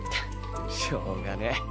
しょうがねぇ